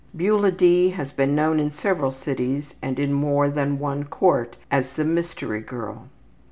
Beula D. has been known in several cities and in more than one court as the ``mystery girl.''